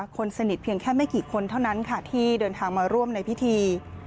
คนสนิทเพียงแค่ไม่กี่คนเท่านั้นค่ะที่เดินทางมาร่วมในพิธี